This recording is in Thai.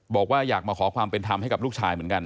บอกว่าอยากมาขอความเป็นธรรมให้กับลูกชายเหมือนกัน